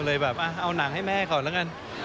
เลยแบบเอาหนังให้แม่ก่อนแล้วกัน